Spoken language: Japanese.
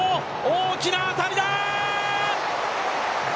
大きな当たりだ！